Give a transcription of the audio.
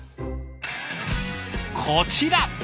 こちら。